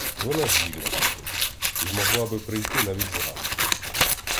Вона ж вільна сьогодні й могла би прийти навіть зранку.